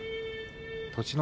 栃ノ